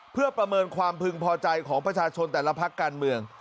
เพื่อประเมินความพึงพอใจของประชาชนแต่ละพักการเมือง